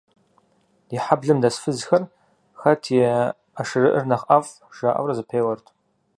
Ди хьэблэм дэс фызхэр, «хэт и ӏэшырыӏыр нэхъ ӏэфӏ» жаӏэурэ зэпеуэрт.